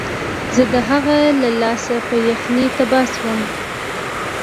زه د هغه له لاسه په یخنۍ تباه شوم